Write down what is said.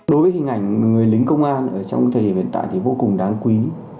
đối với hình ảnh người lính công an trong thời điểm hiện tại thì vô cùng đáng quý